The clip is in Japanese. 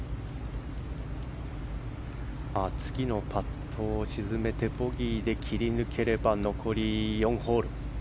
次のパットを沈めてボギーで切り抜ければ残り４ホール。